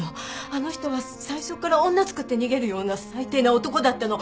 あの人は最初から女つくって逃げるような最低な男だったの。